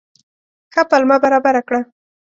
ښه پلمه برابره کړه.